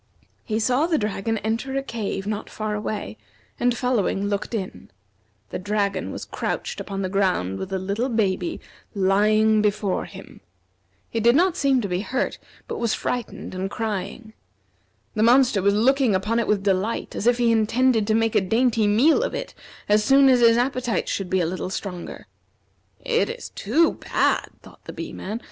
He saw the dragon enter a cave not far away, and following looked in. The dragon was crouched upon the ground with the little baby lying before him. It did not seem to be hurt, but was frightened and crying. The monster was looking upon it with delight, as if he intended to make a dainty meal of it as soon as his appetite should be a little stronger. "It is too bad!" thought the Bee man.